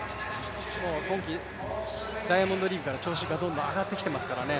今季ダイヤモンドリーグから調子が上がってきていますからね